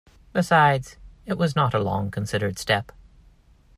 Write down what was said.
Besides, it was not a long-considered step.